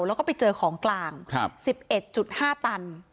แล้วก็ไปเจอของกลาง๑๑๕ตัน